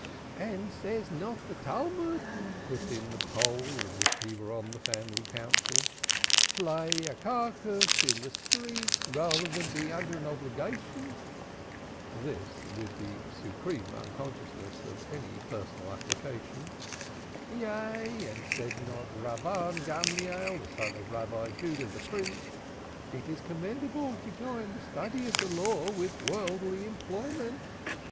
"And says not the Talmud," put in the Pole as if he were on the family council, "'Flay a carcass in the streets rather than be under an obligation'?" This with supreme unconsciousness of any personal application. "Yea, and said not Rabban Gamliel, the son of Rabbi Judah the Prince, 'it is commendable to join the study of the Law with worldly employment'?